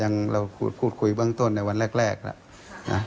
ยังเราพูดคุยบ้างต้นในวันแรกล่ะ